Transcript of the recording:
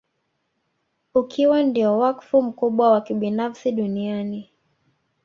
Ukiwa ndio wakfu mkubwa wa kibinafsi duniani